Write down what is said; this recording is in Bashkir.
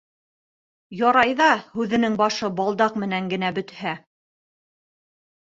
Ярай ҙа һүҙенең башы балдаҡ менән генә бөтһә?